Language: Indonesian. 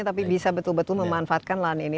tapi bisa betul betul memanfaatkan lahan ini